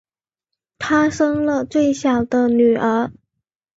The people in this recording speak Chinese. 她生了最小的女儿